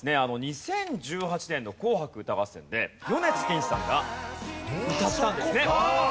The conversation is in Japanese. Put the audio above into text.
２０１８年の『紅白歌合戦』で米津玄師さんが歌ったんですね。